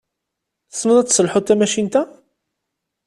Tessneḍ ad tesselḥuḍ tamacint-a?